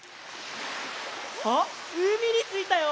あっうみについたよ！